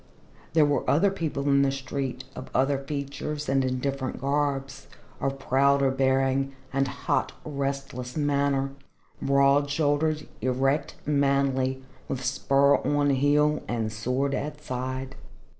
There were other people in the street, of other features and in different garbs, of prouder bearing and hot, restless manner, broad shouldered, erect, manly, with spur on heel and sword at side.